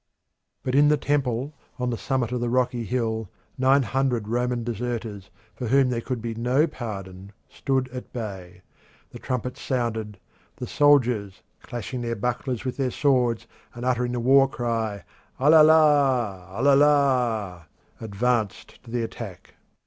But in the temple on the summit of the rocky hill nine hundred Roman deserters, for whom there could be no pardon, stood at bay. The trumpets sounded; the soldiers, clashing their bucklers with their swords and uttering the war cry alala! alala! Advanced to the attack.